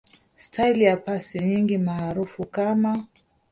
Staili ya pasi nyingi maarufu kama